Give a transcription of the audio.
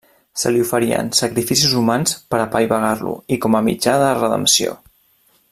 Se li oferien sacrificis humans per apaivagar-lo i com a mitjà de redempció.